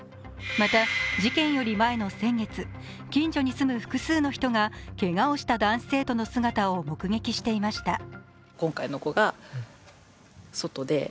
また事件より前の先月、近所に住む複数の人がけがをした男子生徒の姿を目撃していました。